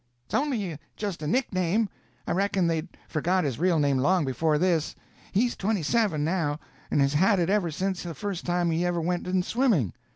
"It's only just a nickname. I reckon they've forgot his real name long before this. He's twenty seven, now, and has had it ever since the first time he ever went in swimming.